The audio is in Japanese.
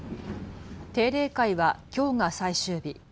定例会はきょうが最終日。